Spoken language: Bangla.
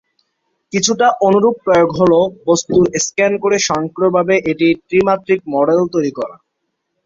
কিছুটা অনুরূপ প্রয়োগ হল বস্তুর স্ক্যান করে স্বয়ংক্রিয়ভাবে এটির ত্রিমাত্রিক মডেল তৈরি করা।